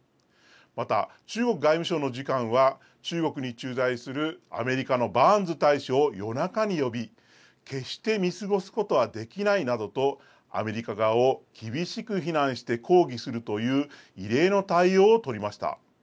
また、中国外務省の次官は、中国に駐在するアメリカのバーンズ大使を夜中に呼び、決して見過ごすことはできないなどと、アメリカ側を厳しく非難して抗議するという異例の対応を取りました。